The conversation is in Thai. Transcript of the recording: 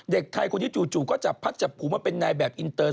เด็กไทยคนนี้จู่ก็จับพัดจับผูมาเป็นนายแบบอินเตอร์